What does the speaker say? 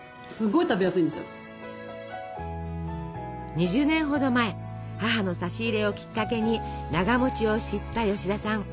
２０年ほど前母の差し入れをきっかけにながを知った吉田さん。